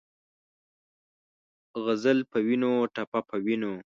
غزل پۀ وینو ، ټپه پۀ وینو